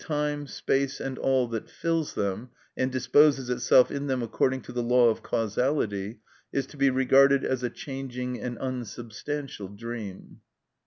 _, time, space, and all that fills them, and disposes itself in them according to the law of causality, is to be regarded as a changing and unsubstantial dream.